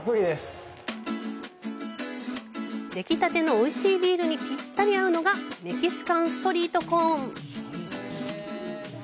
できたてのおいしいビールにぴったり合うのが、メキシカン・ストリート・コーン。